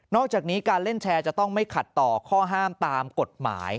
อกจากนี้การเล่นแชร์จะต้องไม่ขัดต่อข้อห้ามตามกฎหมาย